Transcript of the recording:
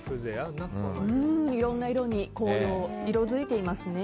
いろんな色に紅葉色づいていますね。